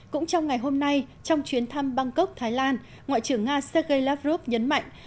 cũng trong ngày hôm nay trong chuyến thăm bangkok thái lan ngoại trưởng nga sergei lavrov nhấn mạnh